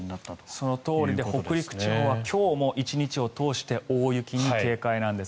そのとおりで北陸地方は今日も１日を通して大雪に警戒なんです。